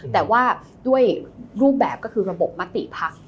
แต่ว่าด้วยรูปแบบก็คือระบบมติภักดิ์